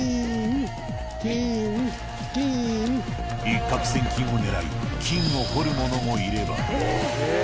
一獲千金を狙い、金を掘る者もいれば。